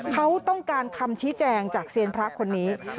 เขาต้องการคำชี้แจงจากเซียนพระคนนี้